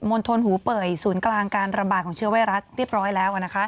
ณฑลหูเป่ยศูนย์กลางการระบาดของเชื้อไวรัสเรียบร้อยแล้ว